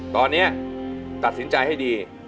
ตอนนี้ตัดสินใจให้ดี